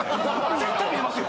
絶対見ますよ。